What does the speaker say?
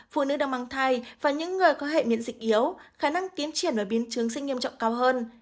phụ nữ đang mang thai và những người có hệ miễn dịch yếu khả năng tiến triển ở biến chứng sinh nghiêm trọng cao hơn